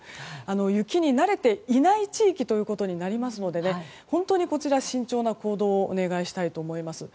雪に慣れていない地域となりますので本当に慎重な行動をお願いしたいと思います。